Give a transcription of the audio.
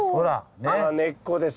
根っこです。